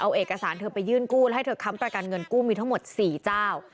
เอาเอกสารเธอไปยื่นกู้แล้วให้เธอค้ำประกันเงินกู้มีทั้งหมด๔เจ้า